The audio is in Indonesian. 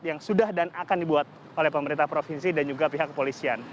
yang sudah dan akan dibuat oleh pemerintah provinsi dan juga pihak kepolisian